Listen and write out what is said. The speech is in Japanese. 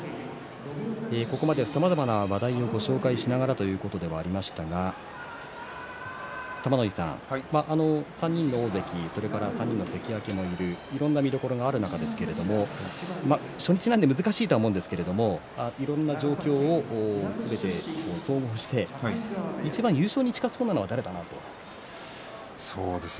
ここまでさまざまな話題をご紹介しながらということではありましたが３人の大関、３人の関脇もいるいろいろな見どころがある中ですけれども初日なんで難しいと思うんですがいろいろな状況を含めて総合していちばん優勝に近そうなのは誰だと思いますか。